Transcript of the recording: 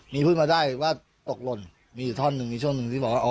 มีพูดมาได้ว่าตกหล่นมีอยู่ท่อนหนึ่งมีช่วงหนึ่งที่บอกว่า